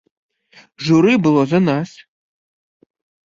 Журы было за нас.